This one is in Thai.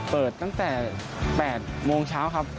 เปิดตั้งแต่๘โมงเช้าครับ